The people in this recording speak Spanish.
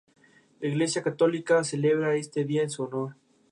Allí hizo su debut como el nuevo Mazinger.